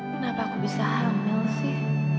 kenapa aku bisa hamil sih